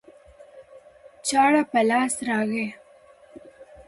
چاړه په لاس راغی